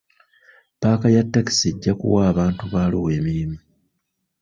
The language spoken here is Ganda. Paaka ya takisi ejja kuwa abantu ba Arua emirimu.